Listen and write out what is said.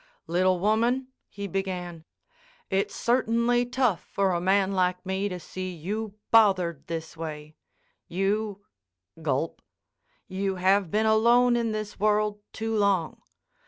"Little woman," he began, "it's certainly tough for a man like me to see you bothered this way. You"—gulp—"you have been alone in this world too long.